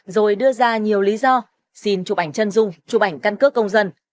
rồi đưa ra nhiều lý do xin chụp ảnh chân dung chụp ảnh căn cước công dân